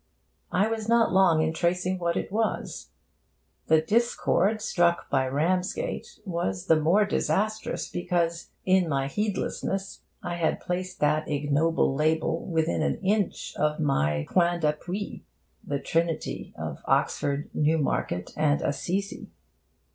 I was not long in tracing what it was. The discord struck by Ramsgate was the more disastrous because, in my heedlessness, I had placed that ignoble label within an inch of my point d'appui the trinity of Oxford, Newmarket and Assisi.